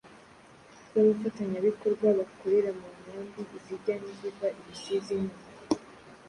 z’abafatanyabikorwa bakorera mu nkambi, izijya n’iziva i Rusizi no